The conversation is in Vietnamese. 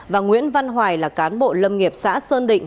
và nguyễn văn hoài là cán bộ lâm nghiệp xã sơn định